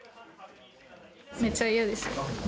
めっちゃ嫌です。